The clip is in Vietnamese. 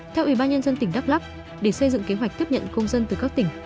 theo ủy ban nhân dân tỉnh đắk lắc để xây dựng kế hoạch tiếp nhận công dân từ các tỉnh